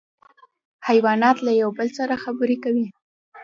حیوانات له یو بل سره خبرې کوي